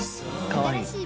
かわいい。